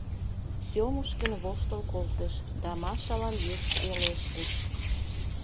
— Сёмушкин воштыл колтыш да Машалан йышт пелештыш: